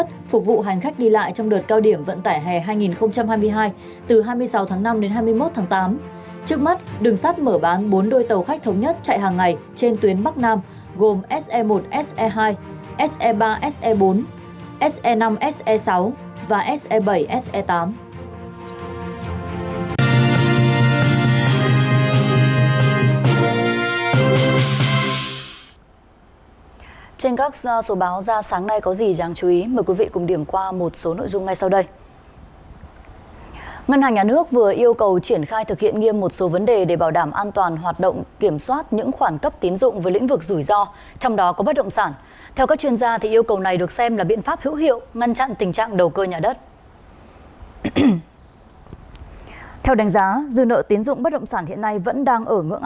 công ty cổ phần vận tải đường sắt hà nội cho biết từ tám h ngày hai mươi năm tháng bốn chính thức mở bán vé tàu thống nhất phục vụ hành khách đi lại trong đợt cao điểm vận tải hè hai nghìn hai mươi hai từ hai mươi sáu tháng năm đến hai mươi một tháng tám